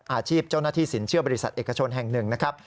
อาชีพเจ้าหน้าที่สินเชื่อบริษัทเอกชนแห่งหนึ่งนะครับ